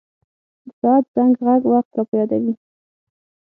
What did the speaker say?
د ساعت زنګ ږغ وخت را په یادوي.